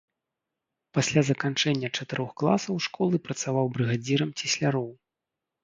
Пасля заканчэння чатырох класаў школы працаваў брыгадзірам цесляроў.